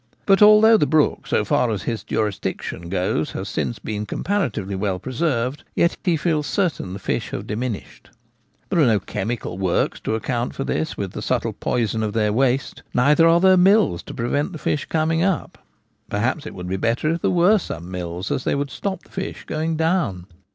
But although the brook, so far as his jurisdiction goes, has since been com paratively well preserved, yet he feels certain the fish have diminished. There are no chemical works to account for this with the subtle poison of their waste, neither are there mills to prevent the fish coming up — perhaps it would be better if there were some mills, as they would stop the fish going down.